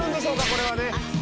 これはね。